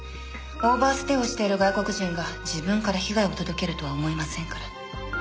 オーバーステイをしている外国人が自分から被害を届けるとは思えませんから。